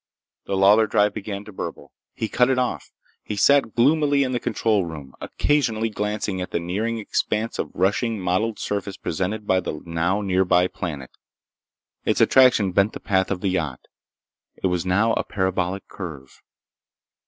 The Lawlor drive began to burble. He cut it off. He sat gloomily in the control room, occasionally glancing at the nearing expanse of rushing mottled surface presented by the now nearby planet. Its attraction bent the path of the yacht. It was now a parabolic curve.